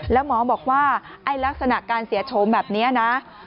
แล้วหมอบอกว่าไอ้ลักษณะการเสียโฉมแบบนี้นะ